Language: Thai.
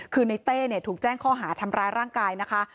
คือในเต้ถูกแจ้งข้อหาทำร้ายร่างกายนะคะ